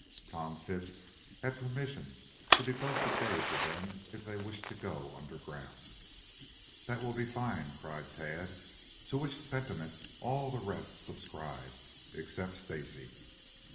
Tom Phipps had permission to devote the day to them if they wished to go underground. "That will be fine," cried Tad, to which sentiment all the rest subscribed, except Stacy.